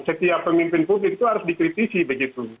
setiap pemimpin publik itu harus dikritisi begitu